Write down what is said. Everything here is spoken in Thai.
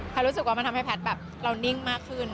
รู้สึกว่ามันทำให้แพทย์แบบเรานิ่งมากขึ้น